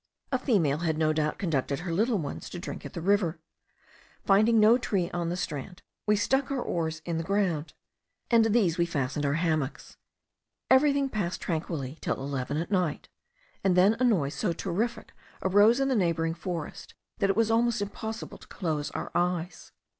A female had no doubt conducted her little ones to drink at the river. Finding no tree on the strand, we stuck our oars in the ground, and to these we fastened our hammocks. Everything passed tranquilly till eleven at night; and then a noise so terrific arose in the neighbouring forest, that it was almost impossible to close our eyes.